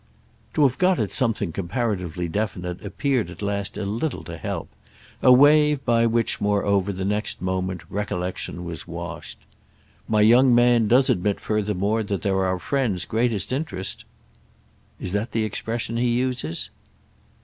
To have got at something comparatively definite appeared at last a little to help—a wave by which moreover, the next moment, recollection was washed. "My young man does admit furthermore that they're our friend's great interest." "Is that the expression he uses?"